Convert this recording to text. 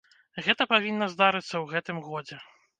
Гэта павінна здарыцца ў гэтым годзе.